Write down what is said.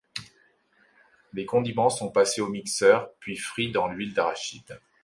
Les condiments sont passés au mixeur puis frits dans l'huile d'arachide.